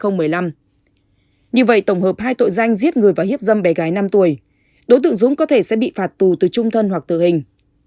như vậy tổng hợp hai tội danh giết người và hiếp dâm bé gái năm tuổi đối tượng dũng có thể sẽ bị phạt tù từ trung thân hoặc tử hình